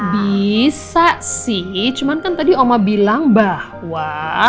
bisa sih cuman kan tadi oma bilang bahwa